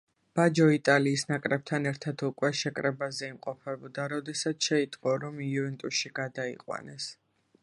ბაჯო იტალიის ნაკრებთან ერთად უკვე შეკრებაზე იმყოფებოდა, როდესაც შეიტყო, რომ იუვენტუსში გადაიყვანეს.